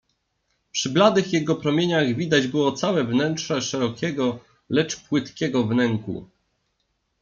Przy bladych jego promieniach widać było całe wnętrze szerokiego, lecz płytkiego wnęku.